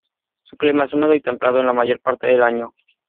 Su clima es húmedo y templado en la mayor parte del año.